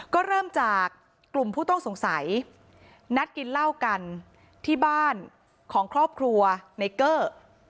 ก็เริ่มจากกลุ่มผู้ต้องสงสัยนัดกินเหล้ากันที่บ้านของครอบครัวไนเกอร์